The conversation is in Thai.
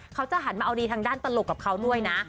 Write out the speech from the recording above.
เขาจะหันมาเอาดีทางด้านตลกกับเขาด้วยนะ